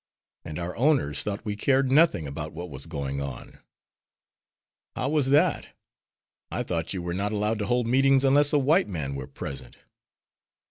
And our owners thought we cared nothing about what was going on." "How was that? I thought you were not allowed to hold meetings unless a white man were present."